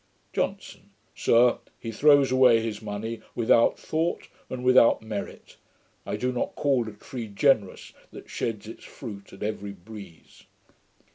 JOHNSON. 'Sir, he throws away his money, without thought, and without merit. I do not call a tree generous, that sheds its fruit at every breeze.'